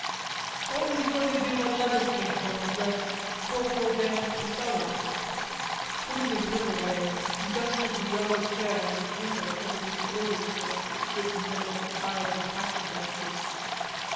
What was he going to do when letters came for him, addressed Corporal Dan Fuselli? Putting the broom away, he dusted the yellow chair and the table covered with order slips that stood in the middle of the piles of packing boxes.